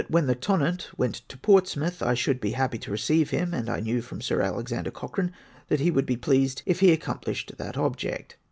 when the Tonnant went to Portsmouth, I shoukl be happy receive him, and I knew from Sir Alexander Cochrane that he would be pleased if he accomplished that object.